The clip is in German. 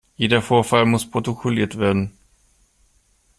Jeder Vorfall muss protokolliert werden.